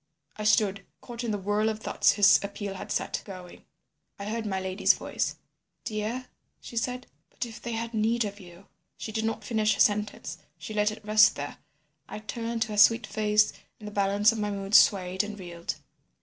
"I stood, caught in the whirl of thoughts his appeal had set going. "I heard my lady's voice. "'Dear,' she said; 'but if they had need of you—' "She did not finish her sentence, she let it rest there. I turned to her sweet face, and the balance of my mood swayed and reeled.